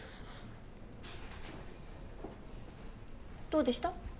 どうでした？